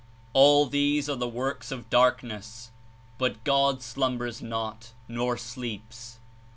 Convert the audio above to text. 28 All these are the works of darkness, but God slum bers not, nor sleeps.